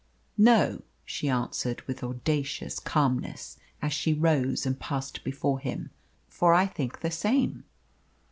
"No," she answered, with audacious calmness, as she rose and passed before him; "for I think the same."